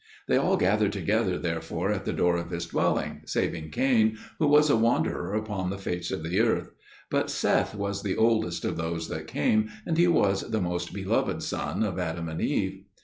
They all gathered together therefore at the door of his dwelling, saving Cain, who was a wanderer upon the face of the earth; but Seth was the eldest of those that came, and he was the most beloved son of Adam and Eve.